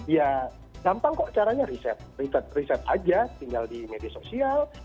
ya gampang kok caranya riset riset aja tinggal di media sosial